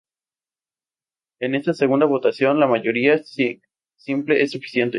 En esta segunda votación, la mayoría simple es suficiente.